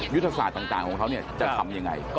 ยุทธศาสตร์ต่างของเขาจะทำยังไง